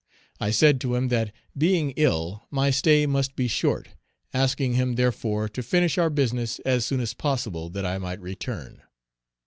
I said to him that, being ill, my stay must be short, asking him, therefore, to finish our business as soon as possible, that I might return.